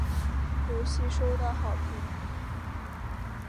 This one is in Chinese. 游戏收到好评。